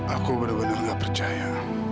aku benar benar gak percaya